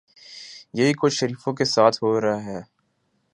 یہی کچھ شریفوں کے ساتھ ہو رہا ہے۔